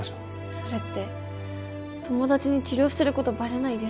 それって友達に治療してる事バレないですか？